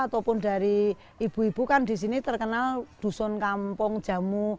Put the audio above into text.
ataupun dari ibu ibu kan di sini terkenal dusun kampung jamu